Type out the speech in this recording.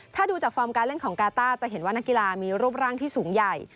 ถ้าดูจากฟอร์มการเล่นของกาต้าจะเห็นว่านักกีฬามีรูปร่างที่สูงใหญ่